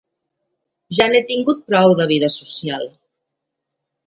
Ja n'he tingut prou, de vida social.